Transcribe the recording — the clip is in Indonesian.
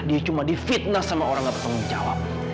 dia cuma di fitnah sama orang yang bertanggung jawab